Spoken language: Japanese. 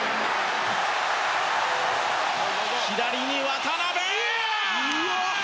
左に渡邊！